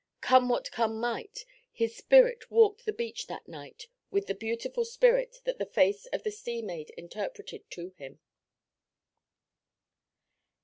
Come what come might, his spirit walked the beach that night with the beautiful spirit that the face of the sea maid interpreted to him.